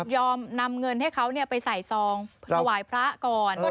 อมนำเงินให้เขาไปใส่ซองถวายพระก่อน